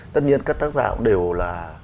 tất nhiên các tác giả cũng đều là